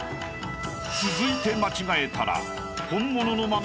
［続いて間違えたら］